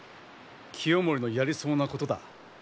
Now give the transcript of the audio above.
清盛のやりそうなことだ。